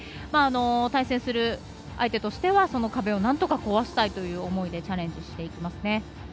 対戦する相手としてはその壁をなんとか壊したいという思いでチャレンジしていきますね。